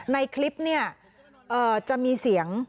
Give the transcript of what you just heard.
ในคลิปเนี่ยจะมีเสียง